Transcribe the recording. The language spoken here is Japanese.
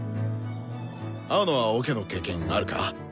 青野はオケの経験あるか？